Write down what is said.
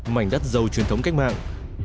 mảnh đất dầu truyền thống cách mạng